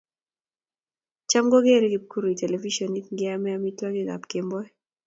Cham kogeerei kipkurui telefishionit ngeame amitwogikab kemboi